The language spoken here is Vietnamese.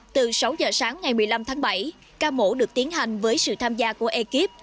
từ sáu giờ sáng ngày một mươi năm tháng bảy ca mổ được tiến hành với sự tham gia của ekip